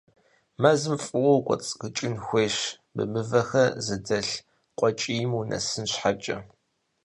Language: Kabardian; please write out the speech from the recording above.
Мэзым фӀыуэ укӀуэцӀрыкӀын хуейщ мы мывэхэр зыдэлъ къуэкӀийм унэсын щхьэкӀэ.